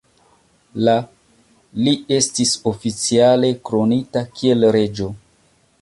La li estis oficiale kronita kiel reĝo.